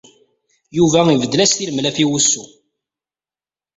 Yuba ibeddel-as tilemlaf i wusu.